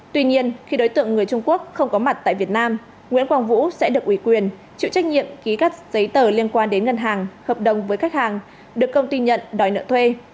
tuy nhiên khi đối tượng người trung quốc không có mặt tại việt nam nguyễn quang vũ sẽ được ủy quyền chịu trách nhiệm ký các giấy tờ liên quan đến ngân hàng hợp đồng với khách hàng được công ty nhận đòi nợ thuê